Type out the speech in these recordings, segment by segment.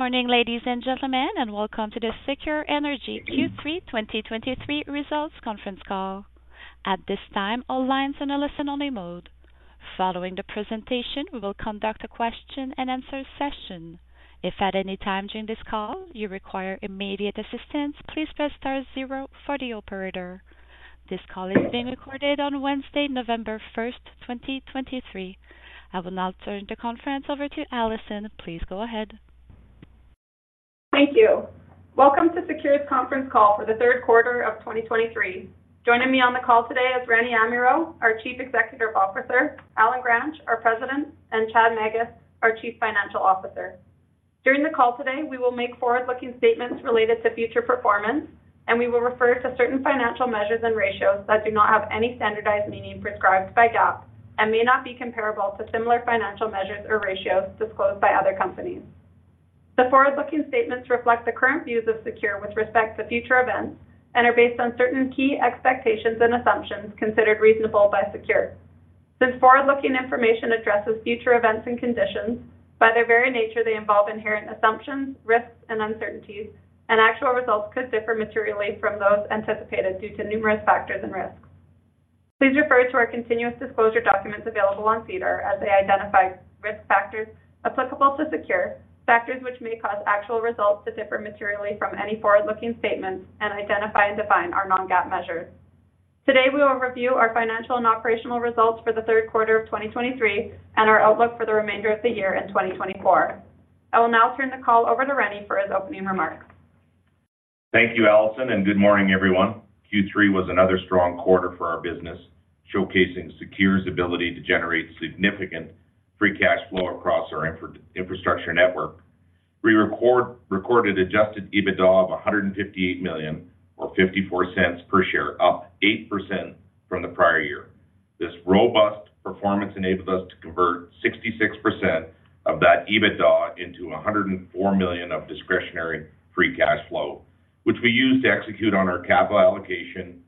Good morning, ladies and gentlemen, and welcome to the SECURE Energy Q3 2023 Results Conference Call. At this time, all lines are in a listen-only mode. Following the presentation, we will conduct a question-and-answer session. If at any time during this call you require immediate assistance, please press star zero for the operator. This call is being recorded on Wednesday, November first, twenty twenty-three. I will now turn the conference over to Alison. Please go ahead. Thank you. Welcome to SECURE's conference call for the Q3 of 2023. Joining me on the call today is Rene Amirault, our Chief Executive Officer, Allen Gransch, our President, and Chad Magus, our Chief Financial Officer. During the call today, we will make forward-looking statements related to future performance, and we will refer to certain financial measures and ratios that do not have any standardized meaning prescribed by GAAP and may not be comparable to similar financial measures or ratios disclosed by other companies. The forward-looking statements reflect the current views of SECURE with respect to future events and are based on certain key expectations and assumptions considered reasonable by SECURE. Since forward-looking information addresses future events and conditions, by their very nature, they involve inherent assumptions, risks and uncertainties, and actual results could differ materially from those anticipated due to numerous factors and risks. Please refer to our continuous disclosure documents available on SEDAR as they identify risk factors applicable to SECURE, factors which may cause actual results to differ materially from any forward-looking statements and identify and define our non-GAAP measures. Today, we will review our financial and operational results for the Q3 of 2023 and our outlook for the remainder of the year in 2024. I will now turn the call over to Rene for his opening remarks. Thank you, Alison, and good morning, everyone. Q3 was another strong quarter for our business, showcasing SECURE's ability to generate significant free cash flow across our infrastructure network. We recorded Adjusted EBITDA of 158 million or 0.54 per share, up 8% from the prior year. This robust performance enabled us to convert 66% of that EBITDA into 104 million of discretionary free cash flow, which we use to execute on our capital allocation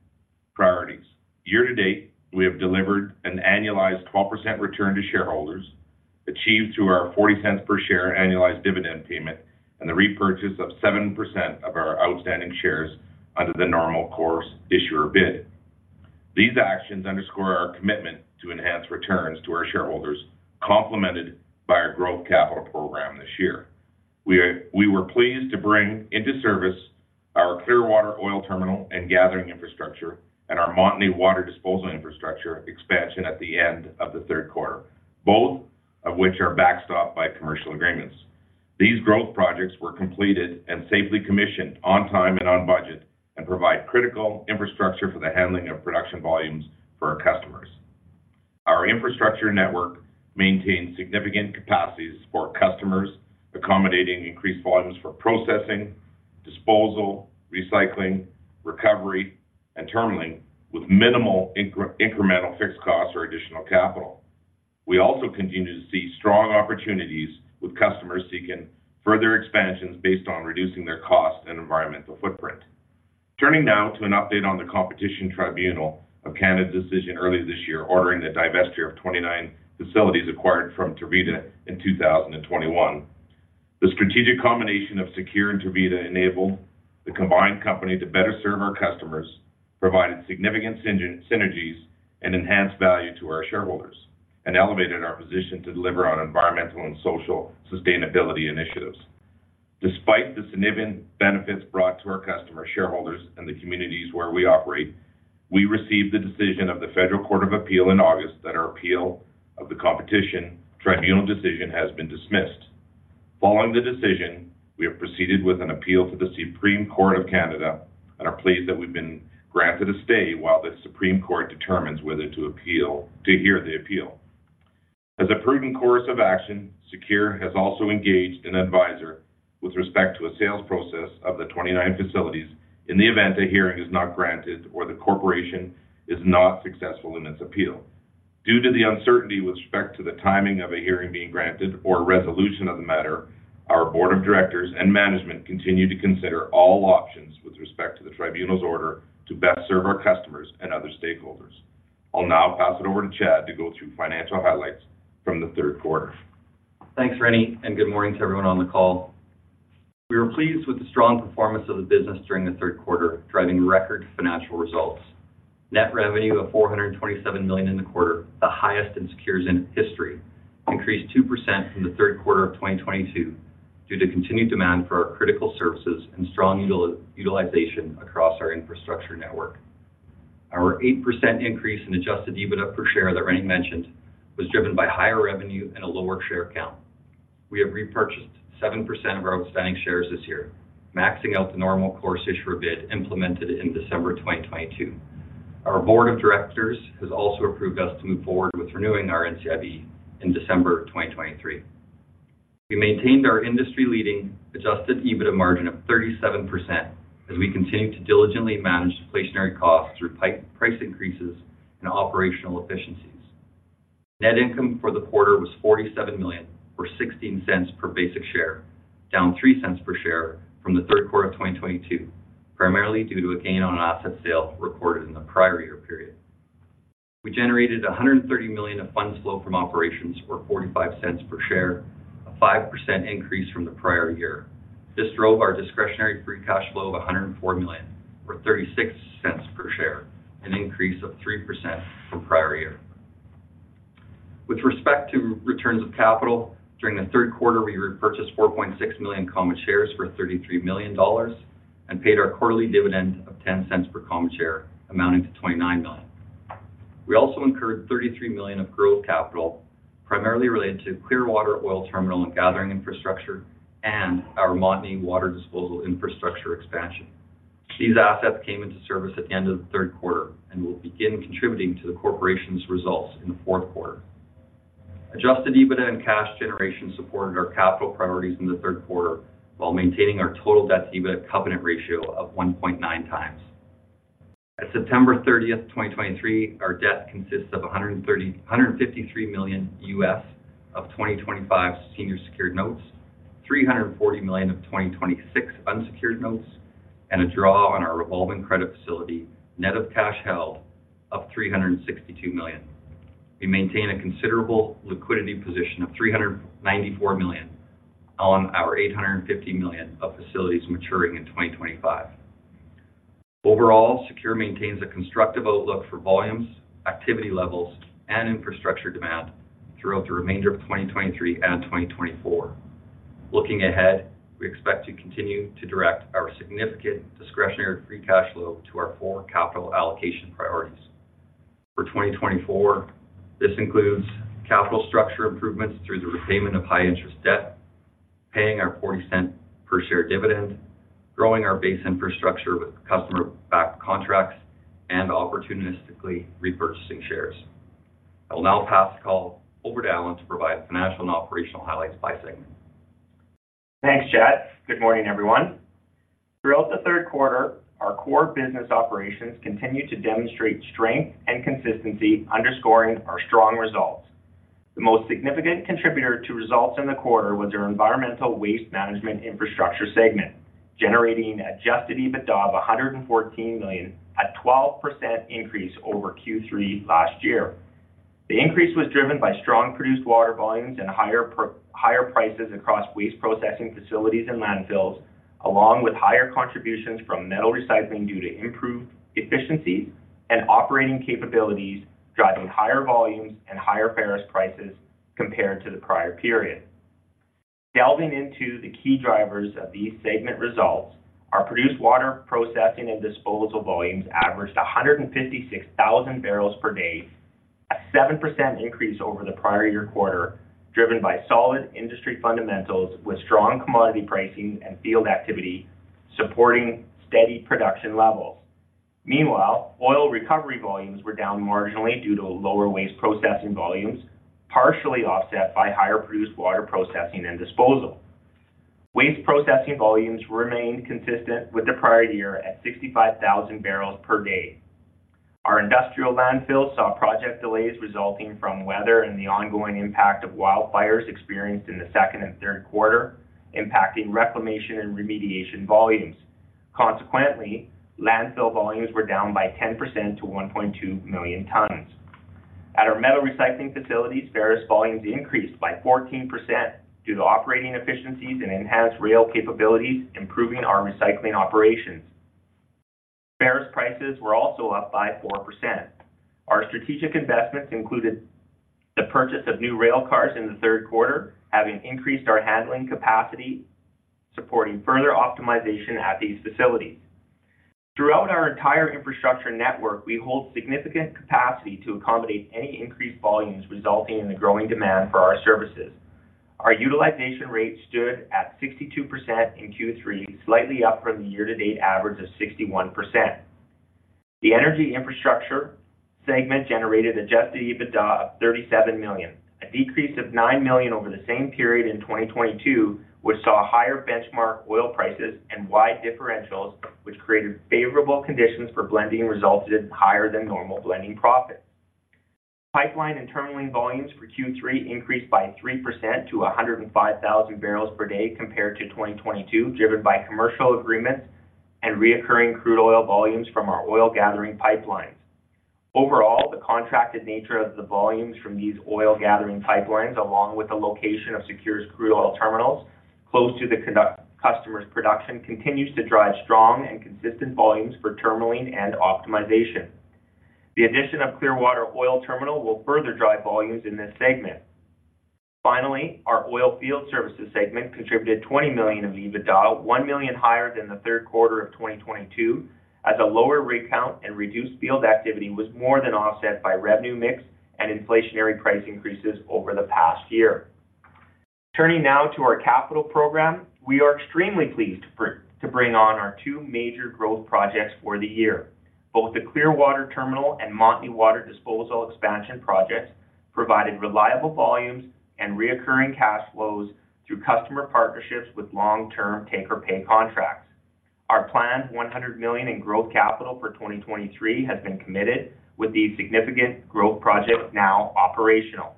priorities. Year to date, we have delivered an annualized 12% return to shareholders, achieved through our 0.40 per share annualized dividend payment and the repurchase of 7% of our outstanding shares under the Normal Course Issuer Bid. These actions underscore our commitment to enhance returns to our shareholders, complemented by our growth capital program this year. We were pleased to bring into service our Clearwater Oil Terminal and gathering infrastructure and our Montney Water Disposal Infrastructure expansion at the end of the Q3, both of which are backstopped by commercial agreements. These growth projects were completed and safely commissioned on time and on budget and provide critical infrastructure for the handling of production volumes for our customers. Our infrastructure network maintains significant capacities for customers, accommodating increased volumes for processing, disposal, recycling, recovery, and terminalling, with minimal incremental fixed costs or additional capital. We also continue to see strong opportunities with customers seeking further expansions based on reducing their costs and environmental footprint. Turning now to an update on the Competition Tribunal of Canada's decision early this year, ordering the divestiture of 29 facilities acquired from Tervita in 2021. The strategic combination of SECURE and Tervita enabled the combined company to better serve our customers, provided significant synergies, and enhanced value to our shareholders, and elevated our position to deliver on environmental and social sustainability initiatives. Despite the significant benefits brought to our customers, shareholders, and the communities where we operate, we received the decision of the Federal Court of Appeal in August that our appeal of the Competition Tribunal decision has been dismissed. Following the decision, we have proceeded with an appeal to the Supreme Court of Canada and are pleased that we've been granted a stay while the Supreme Court determines whether to hear the appeal. As a prudent course of action, SECURE has also engaged an advisor with respect to a sales process of the 29 facilities in the event a hearing is not granted or the corporation is not successful in its appeal. Due to the uncertainty with respect to the timing of a hearing being granted or resolution of the matter, our board of directors and management continue to consider all options with respect to the Tribunal's order to best serve our customers and other stakeholders. I'll now pass it over to Chad to go through financial highlights from the Q3. Thanks, Rene, and good morning to everyone on the call. We were pleased with the strong performance of the business during the Q3, driving record financial results. Net revenue of 427 million in the quarter, the highest in SECURE's history, increased 2% from the Q3 of 2022 due to continued demand for our critical services and strong utilization across our infrastructure network. Our 8% increase in adjusted EBITDA per share that Rene mentioned was driven by higher revenue and a lower share count. We have repurchased 7% of our outstanding shares this year, maxing out the normal course issuer bid implemented in December 2022. Our board of directors has also approved us to move forward with renewing our NCIB in December 2023. We maintained our industry-leading Adjusted EBITDA margin of 37% as we continue to diligently manage inflationary costs through price increases and operational efficiencies. Net income for the quarter was 47 million, or 0.16 per basic share, down 0.03 per share from the Q3 of 2022, primarily due to a gain on an asset sale recorded in the prior year period. We generated 130 million of funds flow from operations or 0.45 per share, a 5% increase from the prior year. This drove our Discretionary Free Cash Flow of 104 million, or 0.36 per share, an increase of 3% from prior year. With respect to returns of capital, during the Q3, we repurchased 4.6 million common shares for 33 million dollars and paid our quarterly dividend of 0.10 per common share, amounting to 29 million. We also incurred 33 million of growth capital, primarily related to Clearwater Oil Terminal and Gathering Infrastructure and our Montney Water Disposal Infrastructure expansion. These assets came into service at the end of the Q3 and will begin contributing to the corporation's results in the Q4. Adjusted EBITDA and cash generation supported our capital priorities in the Q3, while maintaining our total debt-to-EBITDA covenant ratio of 1.9 times. At September 30, 2023, our debt consists of $153 million of 2025 senior secured notes, 340 million of 2026 unsecured notes, and a draw on our revolving credit facility, net of cash held of 362 million. We maintain a considerable liquidity position of 394 million on our 850 million of facilities maturing in 2025. Overall, SECURE maintains a constructive outlook for volumes, activity levels, and infrastructure demand throughout the remainder of 2023 and 2024. Looking ahead, we expect to continue to direct our significant discretionary free cash flow to our four capital allocation priorities. For 2024, this includes capital structure improvements through the repayment of high-interest debt, paying our 0.40 per share dividend, growing our base infrastructure with customer-backed contracts, and opportunistically repurchasing shares. I will now pass the call over to Allen to provide financial and operational highlights by segment. Thanks, Chad. Good morning, everyone. Throughout the Q3, our core business operations continued to demonstrate strength and consistency, underscoring our strong results. The most significant contributor to results in the quarter was our Environmental Waste Management infrastructure segment, generating Adjusted EBITDA of 114 million, a 12% increase over Q3 last year. The increase was driven by strong produced water volumes and higher prices across waste processing facilities and landfills, along with higher contributions from metal recycling due to improved efficiencies and operating capabilities, driving higher volumes and higher ferrous prices compared to the prior period. Delving into the key drivers of these segment results, our produced water processing and disposal volumes averaged 156,000 barrels per day, a 7% increase over the prior year quarter, driven by solid industry fundamentals with strong commodity pricing and field activity, supporting steady production levels. Meanwhile, oil recovery volumes were down marginally due to lower waste processing volumes, partially offset by higher produced water processing and disposal. Waste processing volumes remained consistent with the prior year at 65,000 barrels per day. Our industrial landfill saw project delays resulting from weather and the ongoing impact of wildfires experienced in the Q2 and Q3, impacting reclamation and remediation volumes. Consequently, landfill volumes were down by 10% to 1.2 million tons. At our metal recycling facilities, ferrous volumes increased by 14% due to operating efficiencies and enhanced rail capabilities, improving our recycling operations. Ferrous prices were also up by 4%. Our strategic investments included the purchase of new rail cars in the Q3, having increased our handling capacity, supporting further optimization at these facilities. Throughout our entire infrastructure network, we hold significant capacity to accommodate any increased volumes resulting in the growing demand for our services. Our utilization rate stood at 62% in Q3, slightly up from the year-to-date average of 61%. The energy infrastructure segment generated Adjusted EBITDA of 37 million, a decrease of 9 million over the same period in 2022, which saw higher benchmark oil prices and wide differentials, which created favorable conditions for blending and resulted in higher than normal blending profits. Pipeline and terminalling volumes for Q3 increased by 3% to 105,000 barrels per day compared to 2022, driven by commercial agreements and reoccurring crude oil volumes from our oil gathering pipelines. Overall, the contracted nature of the volumes from these oil gathering pipelines, along with the location of SECURE's crude oil terminals, close to the customer's production, continues to drive strong and consistent volumes for terminalling and optimization. The addition of Clearwater Oil Terminal will further drive volumes in this segment. Finally, our Oilfield Services segment contributed 20 million of EBITDA, 1 million higher than the Q3 of 2022, as a lower rig count and reduced field activity was more than offset by revenue mix and inflationary price increases over the past year. Turning now to our capital program, we are extremely pleased to to bring on our two major growth projects for the year. Both the Clearwater Terminal and Montney Water Disposal expansion projects provided reliable volumes and recurring cash flows through customer partnerships with long-term take-or-pay contracts. Our planned 100 million in growth capital for 2023 has been committed with the significant growth project now operational.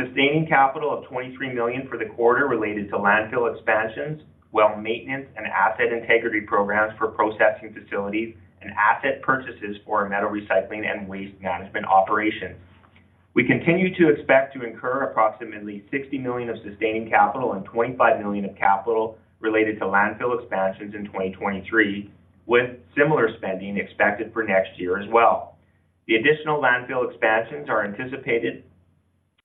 Sustaining capital of 23 million for the quarter related to landfill expansions, well maintenance, and asset integrity programs for processing facilities, and asset purchases for our metal recycling and waste management operations. We continue to expect to incur approximately 60 million of sustaining capital and 25 million of capital related to landfill expansions in 2023, with similar spending expected for next year as well. The additional landfill expansions are anticipated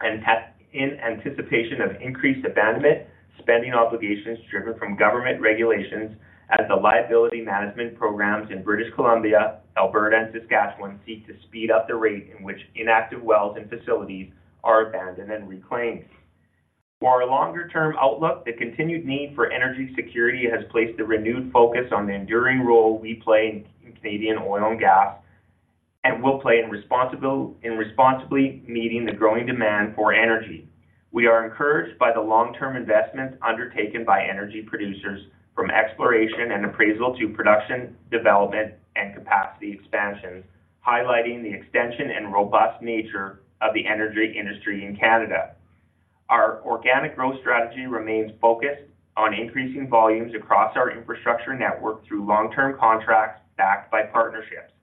and in anticipation of increased abandonment spending obligations driven from government regulations as the liability management programs in British Columbia, Alberta, and Saskatchewan seek to speed up the rate in which inactive wells and facilities are abandoned and reclaimed. For our longer-term outlook, the continued need for energy security has placed a renewed focus on the enduring role we play in Canadian oil and gas, and will play in responsibly meeting the growing demand for energy. We are encouraged by the long-term investments undertaken by energy producers from exploration and appraisal to production, development, and capacity expansions, highlighting the extension and robust nature of the energy industry in Canada. Our organic growth strategy remains focused on increasing volumes across our infrastructure network through long-term contracts backed by partnerships.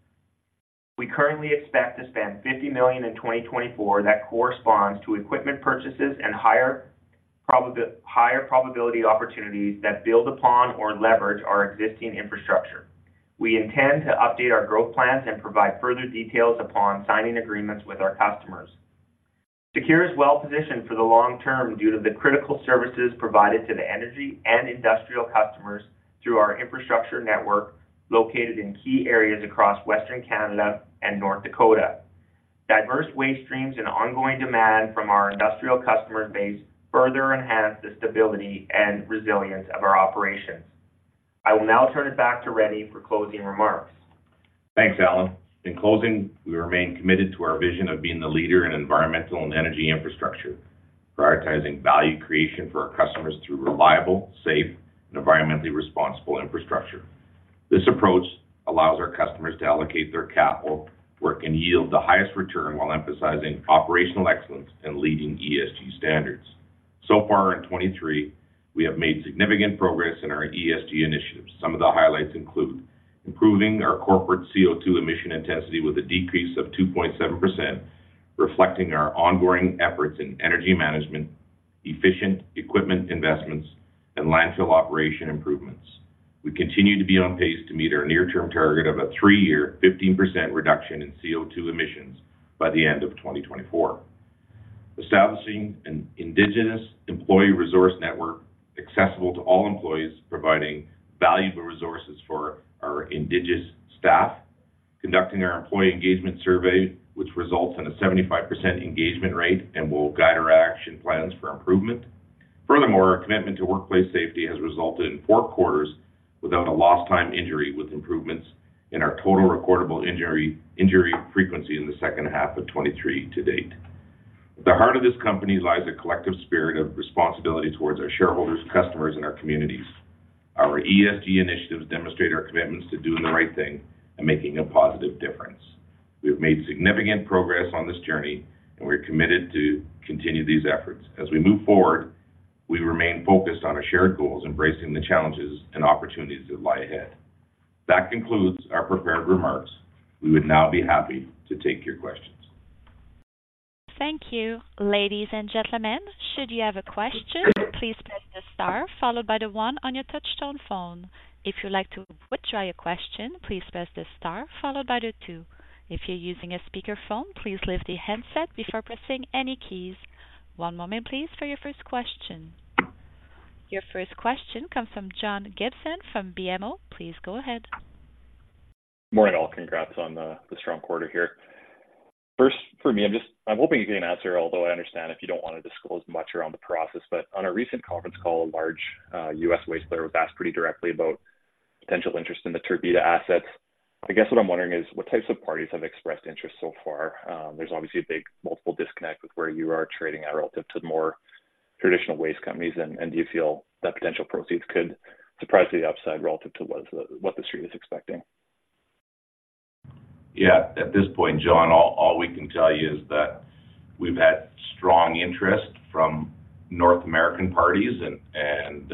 We currently expect to spend 50 million in 2024, that corresponds to equipment purchases and higher probability opportunities that build upon or leverage our existing infrastructure. We intend to update our growth plans and provide further details upon signing agreements with our customers. SECURE is well-positioned for the long term due to the critical services provided to the energy and industrial customers through our infrastructure network, located in key areas across Western Canada and North Dakota. Diverse waste streams and ongoing demand from our industrial customer base further enhance the stability and resilience of our operations. I will now turn it back to Rene for closing remarks. Thanks, Allen. In closing, we remain committed to our vision of being the leader in environmental and energy infrastructure, prioritizing value creation for our customers through reliable, safe, and environmentally responsible infrastructure. This approach allows our customers to allocate their capital where it can yield the highest return while emphasizing operational excellence and leading ESG standards. So far in 2023, we have made significant progress in our ESG initiatives. Some of the highlights include: improving our corporate CO2 emission intensity with a decrease of 2.7%, reflecting our ongoing efforts in energy management, efficient equipment investments, and landfill operation improvements. We continue to be on pace to meet our near-term target of a three-year, 15% reduction in CO2 emissions by the end of 2024. Establishing an Indigenous Employee Resource Network accessible to all employees, providing valuable resources for our Indigenous staff. Conducting our employee engagement survey, which results in a 75% engagement rate and will guide our action plans for improvement. Furthermore, our commitment to workplace safety has resulted in four quarters without a lost time injury, with improvements in our total recordable injury, injury frequency in the second half of 2023 to date. At the heart of this company lies a collective spirit of responsibility towards our shareholders, customers, and our communities. Our ESG initiatives demonstrate our commitments to doing the right thing and making a positive difference. We've made significant progress on this journey, and we're committed to continue these efforts. As we move forward, we remain focused on our shared goals, embracing the challenges and opportunities that lie ahead. That concludes our prepared remarks. We would now be happy to take your questions. Thank you. Ladies and gentlemen, should you have a question, please press the star followed by the one on your touchtone phone. If you'd like to withdraw your question, please press the star followed by the two. If you're using a speakerphone, please lift the handset before pressing any keys. One moment, please, for your first question. Your first question comes from John Gibson from BMO. Please go ahead. Morning, all. Congrats on the strong quarter here. First, for me, I'm just, I'm hoping you can answer, although I understand if you don't want to disclose much around the process, but on a recent conference call, a large US waste player was asked pretty directly about potential interest in the Tervita assets. I guess what I'm wondering is, what types of parties have expressed interest so far? There's obviously a big multiple disconnect with where you are trading at relative to the more traditional waste companies. And do you feel that potential proceeds could surprise to the upside relative to what the street is expecting? Yeah. At this point, John, all we can tell you is that we've had strong interest from North American parties, and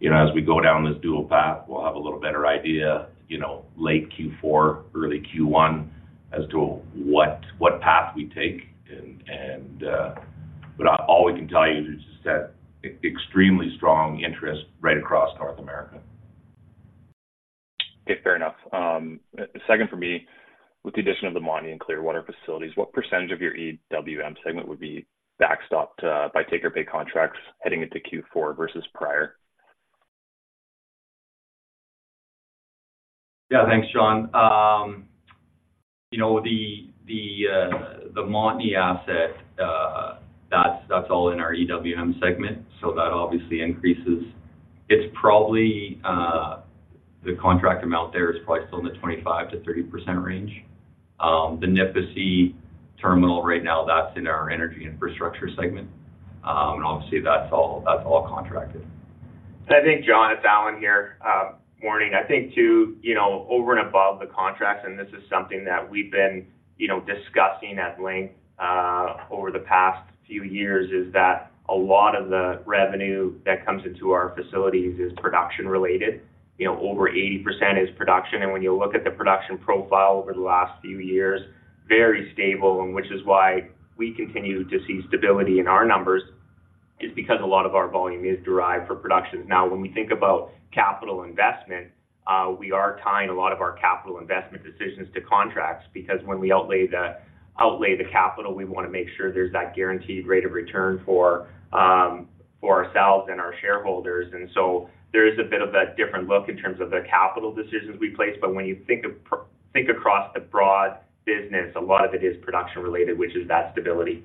you know, as we go down this dual path, we'll have a little better idea, you know, late Q4, early Q1, as to what path we take. But all we can tell you is just that extremely strong interest right across North America. Okay, fair enough. Second for me, with the addition of the Montney and Clearwater facilities, what percentage of your EWM segment would be backstopped by take-or-pay contracts heading into Q4 versus prior? Yeah. Thanks, John. You know, the Montney asset, that's all in our EWM segment, so that obviously increases. It's probably the contract amount there is probably still in the 25%-30% range. The Nipisi Terminal right now, that's in our energy infrastructure segment, and obviously, that's all contracted. I think, John, it's Allen here. Morning. I think to, you know, over and above the contracts, and this is something that we've been, you know, discussing at length over the past few years, is that a lot of the revenue that comes into our facilities is production-related. You know, over 80% is production. And when you look at the production profile over the last few years, very stable, and which is why we continue to see stability in our numbers, is because a lot of our volume is derived for production. Now, when we think about capital investment, we are tying a lot of our capital investment decisions to contracts, because when we outlay the, outlay the capital, we wanna make sure there's that guaranteed rate of return for ourselves and our shareholders. And so there is a bit of a different look in terms of the capital decisions we place, but when you think across the broad business, a lot of it is production-related, which is that stability.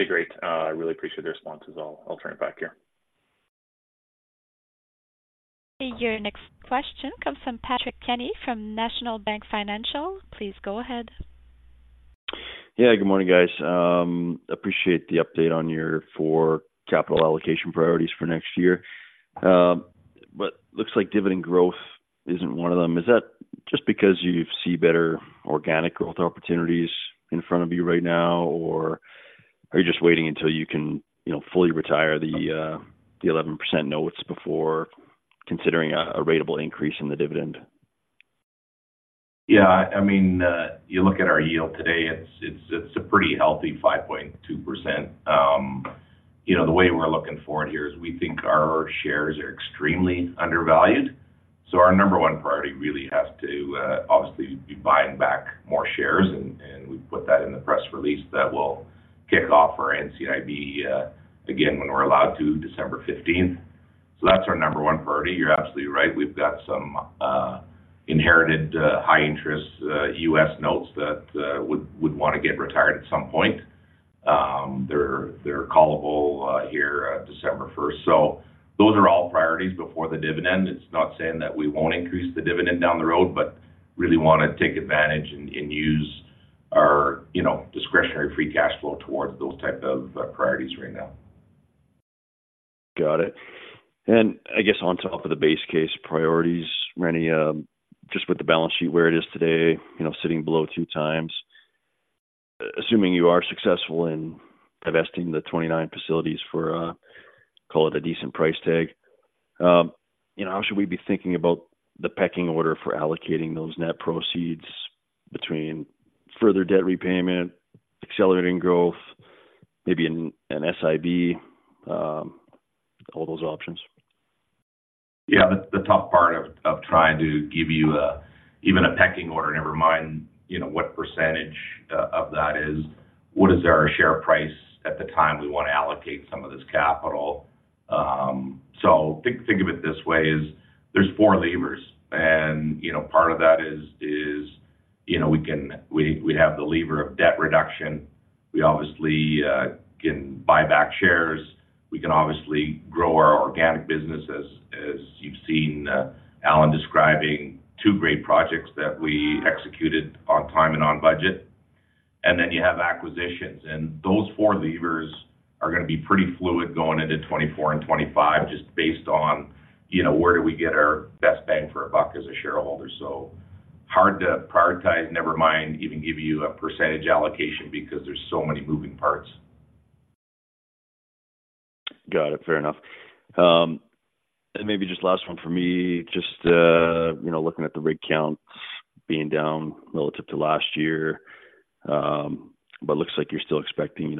Okay, great. I really appreciate the responses. I'll turn it back here. Your next question comes from Patrick Kenny from National Bank Financial. Please go ahead. Yeah, good morning, guys. Appreciate the update on your four capital allocation priorities for next year. But looks like dividend growth isn't one of them. Is that just because you see better organic growth opportunities in front of you right now? Or are you just waiting until you can, you know, fully retire the, the 11% notes before considering a ratable increase in the dividend? Yeah, I mean, you look at our yield today, it's a pretty healthy 5.2%. You know, the way we're looking forward here is we think our shares are extremely undervalued. So our number one priority really has to, obviously, be buying back more shares, and we put that in the press release that we'll kick off our NCIB, again, when we're allowed to, December 15th. So that's our number one priority. You're absolutely right. We've got some inherited high-interest U.S. notes that would wanna get retired at some point. They're callable here, December first. So those are all priorities before the dividend. It's not saying that we won't increase the dividend down the road, but really wanna take advantage and use our, you know, discretionary free cash flow towards those type of priorities right now. Got it. I guess on top of the base case priorities, Rene, just with the balance sheet where it is today, you know, sitting below two times, assuming you are successful in divesting the 29 facilities for, call it a decent price tag, you know, how should we be thinking about the pecking order for allocating those net proceeds between further debt repayment, accelerating growth, maybe an, an SIB, all those options? Yeah, the tough part of trying to give you even a pecking order, never mind, you know, what percentage of that is, what is our share price at the time we want to allocate some of this capital? So think of it this way, there's four levers. And, you know, part of that is, you know, we can we have the lever of debt reduction. We obviously can buy back shares. We can obviously grow our organic business as you've seen, Allen describing two great projects that we executed on time and on budget. And then you have acquisitions. And those four levers are gonna be pretty fluid going into 2024 and 2025, just based on, you know, where do we get our best bang for our buck as a shareholder? So hard to prioritize, never mind even give you a percentage allocation because there's so many moving parts. Got it. Fair enough. Maybe just last one for me, just, you know, looking at the rig counts being down relative to last year, but looks like you're still expecting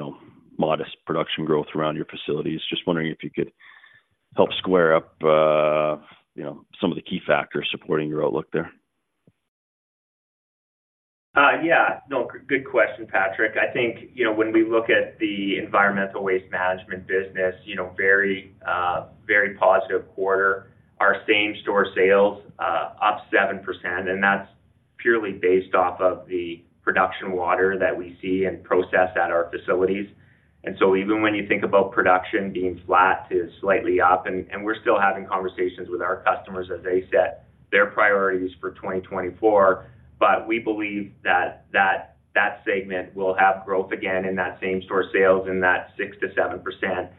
modest production growth around your facilities. Just wondering if you could help square up, you know, some of the key factors supporting your outlook there. Yeah. No, good question, Patrick. I think, you know, when we look at the Environmental Waste Management business, you know, very, very positive quarter. Our same-store sales up 7%, and that's purely based off of the production water that we see and process at our facilities. And so even when you think about production being flat to slightly up, and we're still having conversations with our customers as they set their priorities for 2024, but we believe that that segment will have growth again in that same-store sales in that 6%-7%.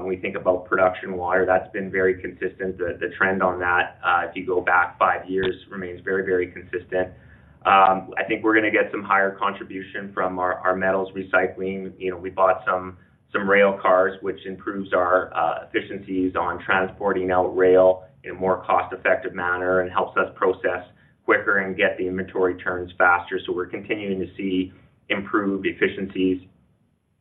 When we think about production water, that's been very consistent. The trend on that, if you go back 5 years, remains very, very consistent. I think we're gonna get some higher contribution from our metals recycling. You know, we bought some rail cars, which improves our efficiencies on transporting out rail in a more cost-effective manner and helps us process quicker and get the inventory turns faster. So we're continuing to see improved efficiencies.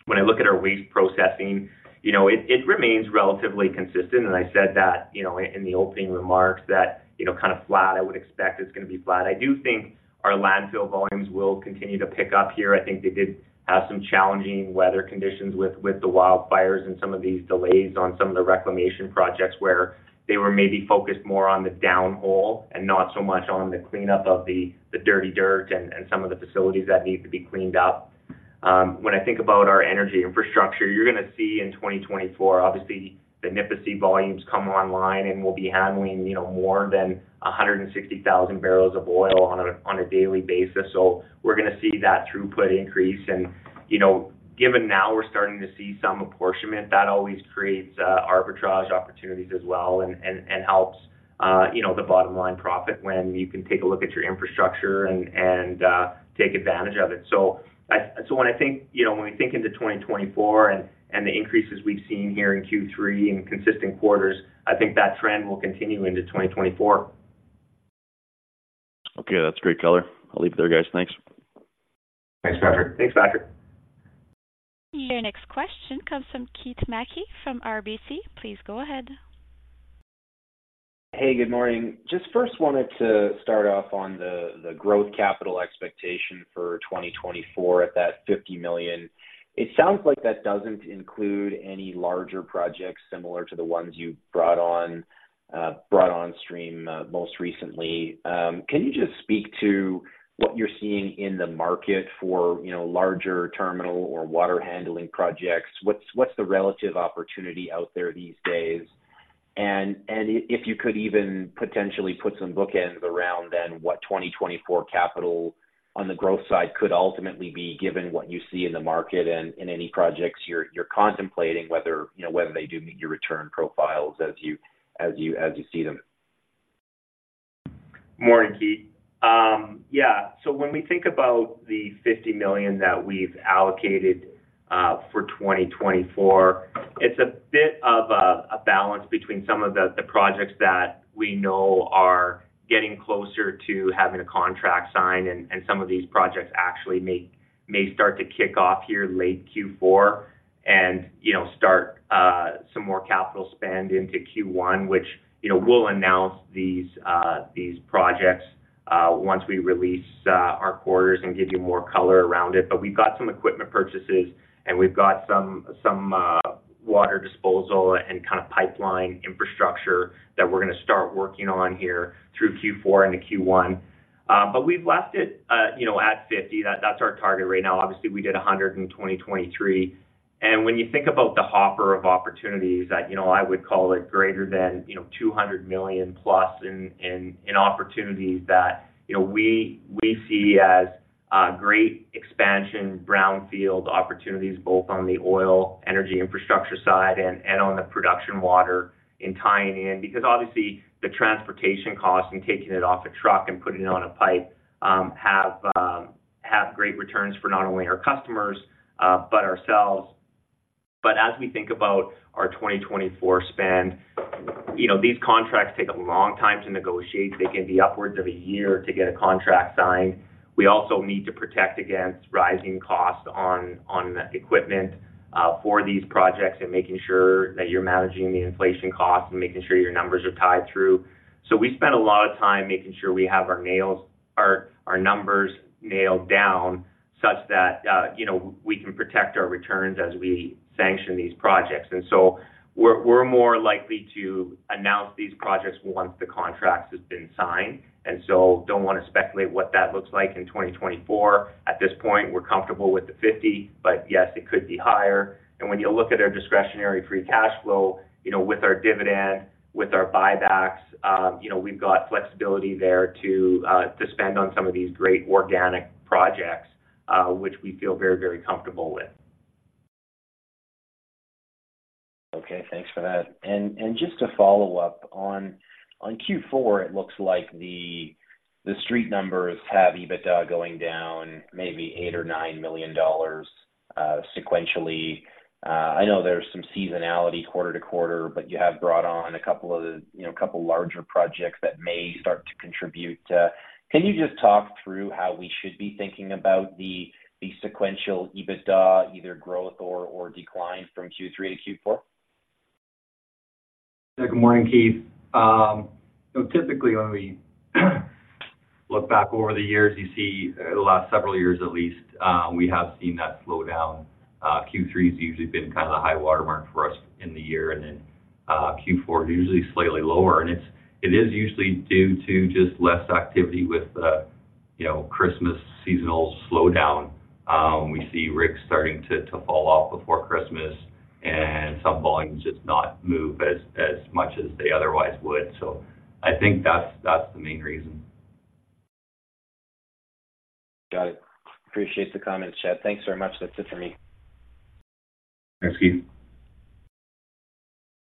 When I look at our waste processing, you know, it remains relatively consistent. I said that, you know, in the opening remarks that, you know, kind of flat. I would expect it's gonna be flat. I do think our landfill volumes will continue to pick up here. I think they did have some challenging weather conditions with the wildfires and some of these delays on some of the reclamation projects, where they were maybe focused more on the downhole and not so much on the cleanup of the dirty dirt and some of the facilities that need to be cleaned up. When I think about our energy infrastructure, you're gonna see in 2024, obviously, the Nipisi volumes come online, and we'll be handling, you know, more than 160,000 barrels of oil on a daily basis. So we're gonna see that throughput increase. And, you know, given now we're starting to see some apportionment, that always creates arbitrage opportunities as well, and helps, you know, the bottom line profit when you can take a look at your infrastructure and take advantage of it. So when I think, you know, when we think into 2024 and the increases we've seen here in Q3 and consistent quarters, I think that trend will continue into 2024. Okay, that's great color. I'll leave it there, guys. Thanks. Thanks, Patrick. Thanks, Patrick. Your next question comes from Keith Mackey from RBC. Please go ahead. Hey, good morning. Just first wanted to start off on the growth capital expectation for 2024 at that 50 million. It sounds like that doesn't include any larger projects similar to the ones you brought on stream most recently. Can you just speak to what you're seeing in the market for, you know, larger terminal or water handling projects? What's the relative opportunity out there these days? And if you could even potentially put some bookends around them, what 2024 capital on the growth side could ultimately be, given what you see in the market and in any projects you're contemplating, whether, you know, whether they do meet your return profiles as you see them? Morning, Keith. Yeah, so when we think about the 50 million that we've allocated for 2024, it's a bit of a balance between some of the projects that we know are getting closer to having a contract signed, and some of these projects actually may start to kick off here late Q4. And, you know, start some more capital spend into Q1, which, you know, we'll announce these projects once we release our quarters and give you more color around it. But we've got some equipment purchases, and we've got some water disposal and kind of pipeline infrastructure that we're gonna start working on here through Q4 into Q1. But we've left it, you know, at 50. That's our target right now. Obviously, we did 100 million in 2023. When you think about the hopper of opportunities that, you know, I would call it greater than 200 million-plus in opportunities that, you know, we see as great expansion, brownfield opportunities, both on the oil, energy infrastructure side and on the produced water and tying in. Because, obviously, the transportation costs and taking it off a truck and putting it on a pipe have great returns for not only our customers, but ourselves. As we think about our 2024 spend, you know, these contracts take a long time to negotiate. They can be upwards of a year to get a contract signed. We also need to protect against rising costs on equipment for these projects, and making sure that you are managing the inflation costs and making sure your numbers are tied through. So we spend a lot of time making sure we have our nails... our numbers nailed down such that, you know, we can protect our returns as we sanction these projects. And so we're more likely to announce these projects once the contract has been signed, and so don't wanna speculate what that looks like in 2024. At this point, we're comfortable with the 50, but yes, it could be higher. And when you look at our Discretionary Free Cash Flow, you know, with our dividend, with our buybacks, you know, we've got flexibility there to spend on some of these great organic projects, which we feel very, very comfortable with. Okay, thanks for that. And just to follow up on Q4, it looks like the street numbers have EBITDA going down maybe 8 million or 9 million dollars sequentially. I know there's some seasonality quarter to quarter, but you have brought on a couple of, you know, larger projects that may start to contribute. Can you just talk through how we should be thinking about the sequential EBITDA, either growth or decline from Q3 to Q4? Yeah. Good morning, Keith. So typically, when we look back over the years, you see, the last several years at least, we have seen that slow down. Q3 has usually been kind of the high watermark for us in the year, and then Q4 is usually slightly lower. And it is usually due to just less activity with the, you know, Christmas seasonal slowdown. We see rigs starting to fall off before Christmas, and some volumes just not move as much as they otherwise would. So I think that's the main reason. Got it. Appreciate the comments, Chad. Thanks very much. That's it for me. Thanks, Keith.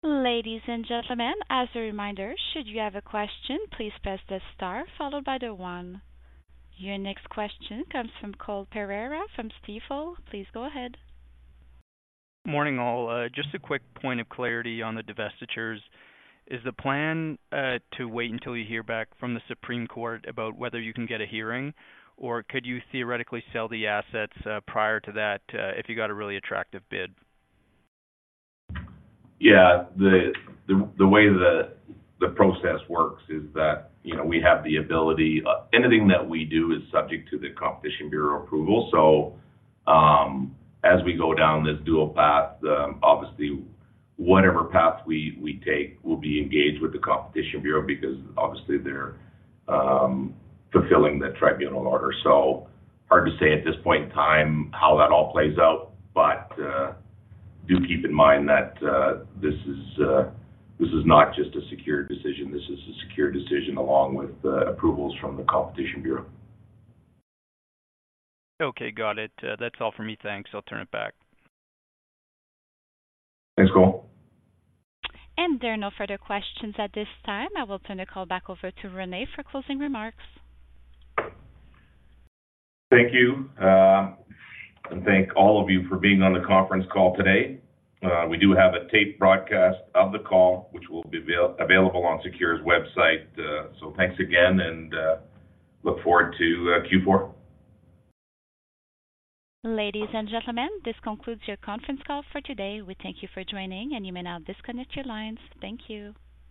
Ladies and gentlemen, as a reminder, should you have a question, please press the star followed by the one. Your next question comes from Cole Pereira from Stifel. Please go ahead. Morning, all. Just a quick point of clarity on the divestitures. Is the plan to wait until you hear back from the Supreme Court about whether you can get a hearing, or could you theoretically sell the assets prior to that if you got a really attractive bid? Yeah. The way the process works is that, you know, we have the ability. Anything that we do is subject to the Competition Bureau approval. So, as we go down this dual path, obviously, whatever path we take, we'll be engaged with the Competition Bureau because obviously they're fulfilling the tribunal order. So hard to say at this point in time how that all plays out, but do keep in mind that this is not just a SECURE decision, this is a SECURE decision along with approvals from the Competition Bureau. Okay, got it. That's all for me. Thanks. I'll turn it back. Thanks, Cole. There are no further questions at this time. I will turn the call back over to Rene for closing remarks. Thank you. Thank all of you for being on the conference call today. We do have a taped broadcast of the call, which will be available on SECURE's website. Thanks again, and look forward to Q4. Ladies and gentlemen, this concludes your conference call for today. We thank you for joining, and you may now disconnect your lines. Thank you.